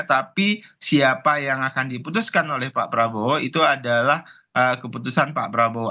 tapi siapa yang akan diputuskan oleh pak prabowo itu adalah keputusan pak prabowo